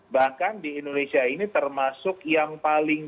bahkan di indonesia ini termasuk yang paling